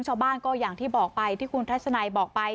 ชาวบ้านก็อย่างที่บอกไปที่คุณทัศนัยบอกไป